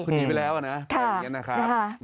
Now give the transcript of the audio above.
คุณหนีไปแล้วนะแบบนี้นะครับ